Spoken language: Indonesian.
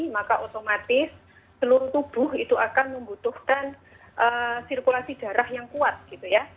maka otomatis seluruh tubuh itu akan membutuhkan sirkulasi darah yang kuat gitu ya